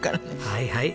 はいはい。